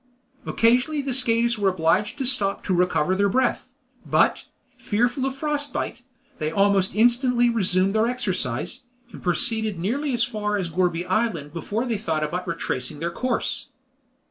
Occasionally the skaters were obliged to stop to recover their breath, but, fearful of frost bite, they almost instantly resumed their exercise, and proceeded nearly as far as Gourbi Island before they thought about retracing their course.